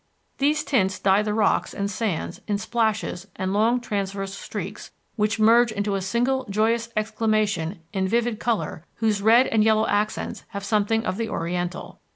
These tints dye the rocks and sands in splashes and long transverse streaks which merge into a single joyous exclamation in vivid color whose red and yellow accents have something of the Oriental.